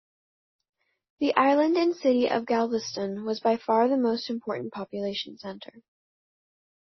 The island and city of Galveston was by far the most important population center.